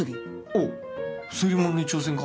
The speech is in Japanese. おっ推理ものに挑戦か。